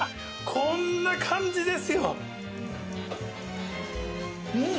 こんな感じですよ！